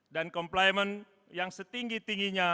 dan komplimen yang setinggi tingginya